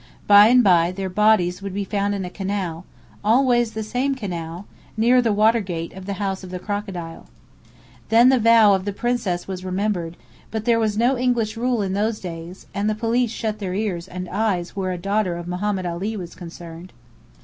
By and by their bodies would be found in a canal; always the same canal, near the water gate of the House of the Crocodile. Then the vow of the Princess was remembered: but there was no English rule in those days, and the police shut their ears and eyes where a daughter of Mohammed Ali was concerned.